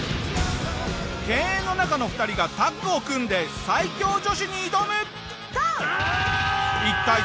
犬猿の仲の２人がタッグを組んで最強女子に挑む。